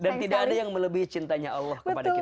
dan tidak ada yang melebihi cintanya allah kepada kita